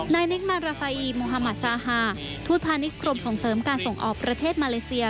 นายนิกมาราฟาอีมุฮามาซาฮาทูตพาณิชยกรมส่งเสริมการส่งออกประเทศมาเลเซีย